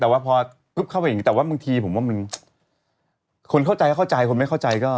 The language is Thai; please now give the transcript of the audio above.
แต่ว่าพอปุ๊บเข้าไปอย่างนี้แต่ว่าบางทีผมว่ามันคนเข้าใจเข้าใจคนไม่เข้าใจก็